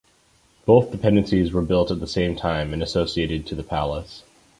Both dependencies were built at that time and associated to the palace.